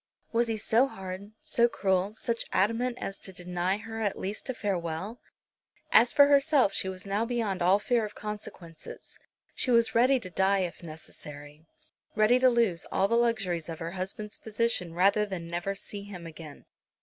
Was he so hard, so cruel, such adamant as to deny her at least a farewell? As for herself, she was now beyond all fear of consequences. She was ready to die if it were necessary, ready to lose all the luxuries of her husband's position rather than never see him again.